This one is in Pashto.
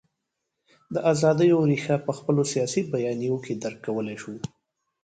د ازادیو رېښه په خپلو سیاسي بیانیو کې درک کولای شو.